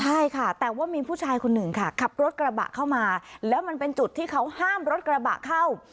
ใช่ค่ะแต่ว่ามีผู้ชายคนหนึ่งค่ะขับรถกระบะเข้ามาแล้วมันเป็นจุดที่เขาห้ามรถกระบะเข้า